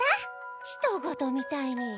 人ごとみたいに。